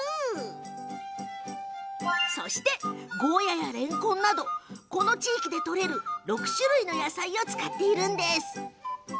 そして、ゴーヤーやれんこんなどこの地域で取れる６種類の野菜を使っているんです。